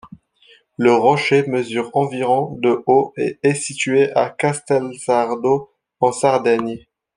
Le rocher mesure environ de haut et est situé à Castelsardo en Sardaigne.